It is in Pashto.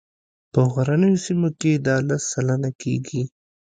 په غرنیو سیمو کې دا لس سلنه کیږي